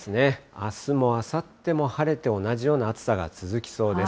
あすもあさっても晴れて、同じような暑さが続きそうです。